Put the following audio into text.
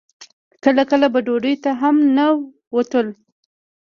کله کله به ډوډۍ ته هم نه وتلو.